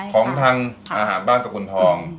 ของทางอาหารบ้านสกุลทอง